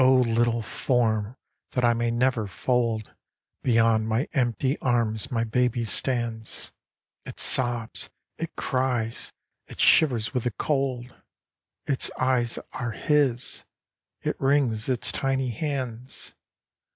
O little form that I may never fold ! Beyond my empty arms my baby stands : THE LAST NIGHT. 85 It sobs, it cries, it shivers with the cold : Its eyes are his ; it wrings its tiny hands.